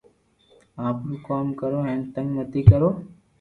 آپرو ڪوم ڪرو ھين تنگ متي ڪرو